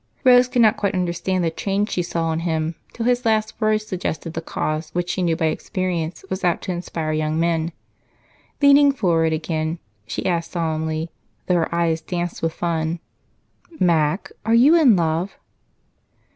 Rose could not quite understand the change she saw in him till his last words suggested a cause which she knew by experience was apt to inspire young men. Leaning forward again, she asked solemnly, though her eyes danced with fun, "Mac, are you in love?"